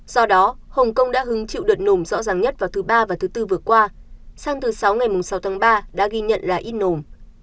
do đó hồng kông đã hứng chịu đợt nồm rõ ràng nhất vào thứ ba và thứ bốn vừa qua sang thứ sáu ngày sáu tháng ba đã ghi nhận là ít nổ